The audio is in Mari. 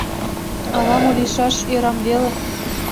Ала-мо лийшаш, ӧрам веле...